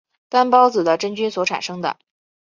担孢子的真菌所产生的。